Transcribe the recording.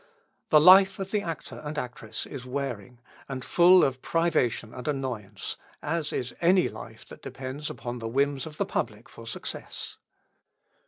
The life of the actor and actress is wearing and full of privation and annoyance, as is any life that depends upon the whims of the public for success.